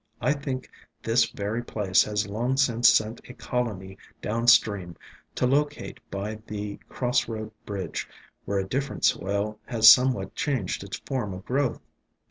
I think this very place has long since sent a colony down stream to locate by the cross road bridge, where a different soil has somewhat changed its form of growth.